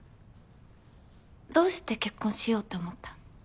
どうして結婚しようって思った？